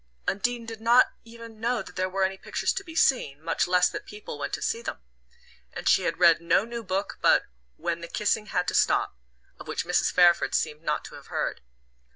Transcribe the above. Undine did not even know that there were any pictures to be seen, much less that "people" went to see them; and she had read no new book but "When The Kissing Had to Stop," of which Mrs. Fairford seemed not to have heard.